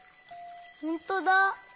ほんとだ！